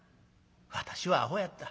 私はアホやった。